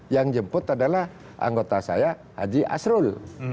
yang jemput adalah anggota saya haji asrul